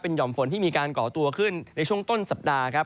ห่อมฝนที่มีการก่อตัวขึ้นในช่วงต้นสัปดาห์ครับ